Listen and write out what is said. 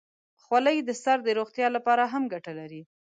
خولۍ د سر د روغتیا لپاره هم ګټه لري.